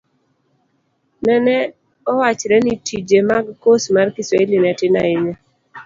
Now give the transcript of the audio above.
nene owachre ni tije mag kos mar kiswahili ne tin ahinya.